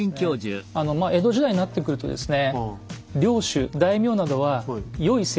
江戸時代になってくるとですね